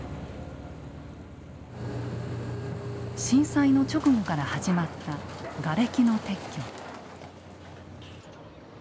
震災の直後から始まったガレキの撤去。